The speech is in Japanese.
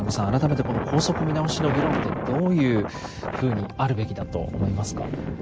改めてこの校則見直しの議論ってどういうふうにあるべきだと思いますか？